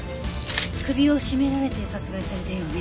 首を絞められて殺害されたようね。